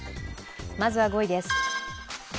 まずは５位です。